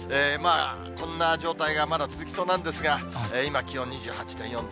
こんな状態がまだ続きそうなんですが、今、気温２８．４度。